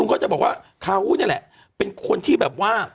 เขาจะบอกว่าเขานี่แหละเป็นคนที่แบบว่า